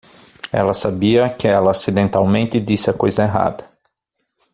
Ela sabia que ela acidentalmente disse a coisa errada.